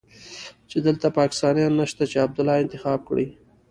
چې دلته پاکستانيان نشته چې عبدالله انتخاب کړي.